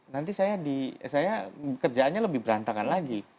nanti saya kerjaannya lebih berantakan lagi